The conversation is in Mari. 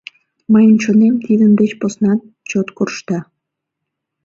Мыйын чонем тидын деч поснат чот коршта...